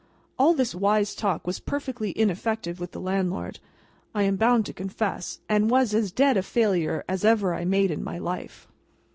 All this wise talk was perfectly ineffective with the landlord, I am bound to confess, and was as dead a failure as ever I made in my life.